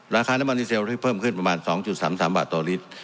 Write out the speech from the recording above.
ราคาน้ำมันดีเซลที่เพิ่มขึ้นประมาณ๒๓๓บาทต่อลิตร